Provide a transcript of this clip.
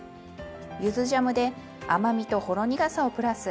ゆずジャムで甘みとほろ苦さをプラス。